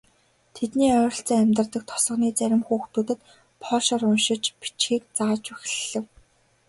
Тэдний ойролцоо амьдардаг тосгоны зарим хүүхдүүдэд польшоор уншиж бичихийг зааж эхлэв.